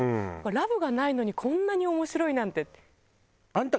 ラブがないのにこんなに面白いなんて。